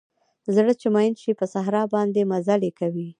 زړه چې مئین شي په صحرا باندې مزلې کوي